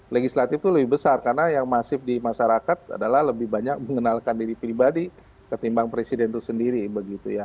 legislatif itu lebih besar karena yang masif di masyarakat adalah lebih banyak mengenalkan diri pribadi ketimbang presiden itu sendiri begitu ya